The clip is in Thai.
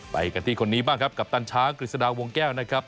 ไปกันที่คนนี้บ้างครับกัปตันช้างกฤษฎาวงแก้วนะครับ